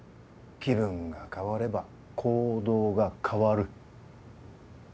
気分が変われば行動が変わる。